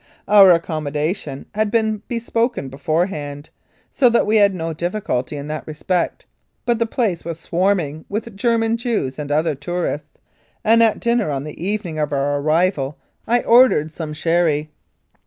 Our accommodation had been bespoken beforehand, so that we had no difficulty in that respect, but the place was swarming with German Jews and other tourists, and at dinner on the evening of our arrival I ordered some sherry.